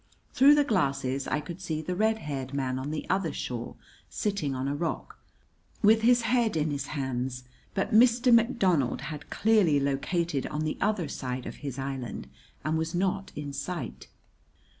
Through the glasses I could see the red haired man on the other shore sitting on a rock, with his head in his hands; but Mr. McDonald had clearly located on the other side of his island and was not in sight.